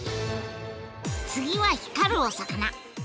次は光るお魚。